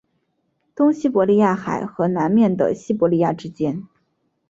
东西伯利亚海和南面的西伯利亚之间。